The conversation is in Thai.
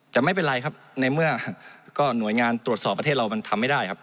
แต่ไม่เป็นไรครับในเมื่อหน่วยงานตรวจสอบประเทศเรามันทำไม่ได้ครับ